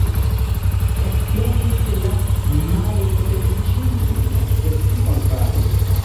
Ekploris la malfeliĉulino, sed kion fari?